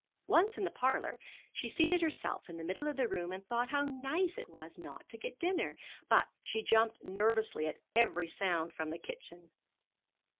Once in the parlor, she seated herself in the middle of the room and thought how nice it was not to get dinner; but she jumped nervously at every sound from the kitchen.